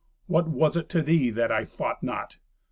What was it to thee that I fought not?